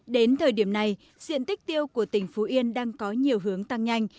đến thời điểm này diện tích tiêu của tỉnh phú yên đang có nhiều hướng tăng nhanh